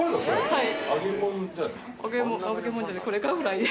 はい。